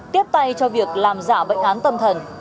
tiếp tay cho việc làm giả bệnh án tâm thần